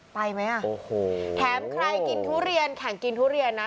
ไปไหมอ่ะโอ้โหแถมใครกินทุเรียนแข่งกินทุเรียนนะ